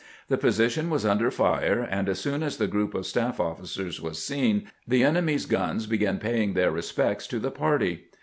The position was under fire, and as soon as the group of staff officers was seen, the enemy's guns began paying their respects to the party.